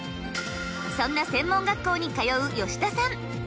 そんな専門学校に通う吉田さん。